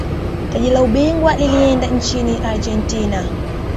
taji la ubingwa lilieenda nchini argentina